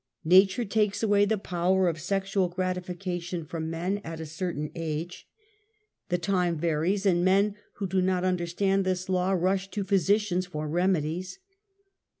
^Tatiire takes away the power of sexual gratification from men at a certain age. The time varies, and men who do not understand this law, rush to physicians for remedies..